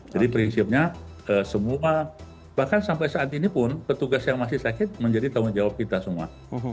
jadi prinsipnya semua bahkan sampai saat ini pun petugas yang masih sakit menjadi tanggung jawab kita semua